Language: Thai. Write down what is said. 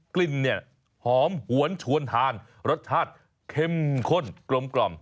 กลิ่นเนี่ยหอมหวนชวนทานรสชาติเข้มข้นกลม